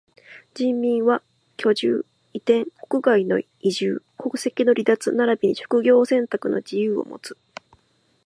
人民は居住、移転、国外への移住、国籍の離脱ならびに職業選択の自由をもつ。